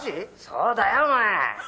「そうだよお前」